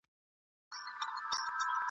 په کلو یې کورته غل نه وو راغلی ..